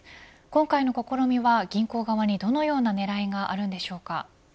今回の試みは銀行側にどのような狙いがあるのでしょうか。